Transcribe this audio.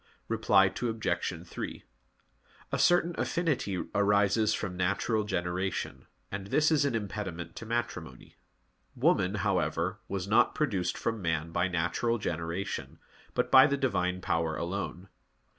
Reply Obj. 3: A certain affinity arises from natural generation, and this is an impediment to matrimony. Woman, however, was not produced from man by natural generation, but by the Divine Power alone.